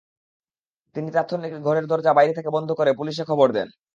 তিনি তাৎক্ষণিক ঘরের দরজা বাইরে থেকে বন্ধ করে পুলিশে খবর দেন।